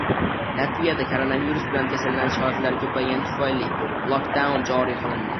Latviyada koronavirus bilan kasallanish holatlari ko‘paygani tufayli lokdaun joriy qilindi